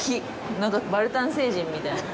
なんかバルタン星人みたいな。